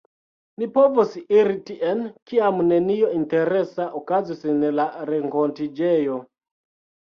Ni povos iri tien kiam nenio interesa okazos en la renkontiĝejo.